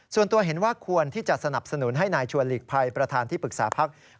ส่วนตัวเห็นว่าควรที่จะสนับสนุนให้นายชวนหลีกภัยประธานที่ปรึกษาพัก